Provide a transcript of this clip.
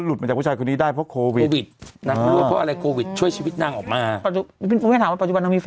แล้วก็กักขัง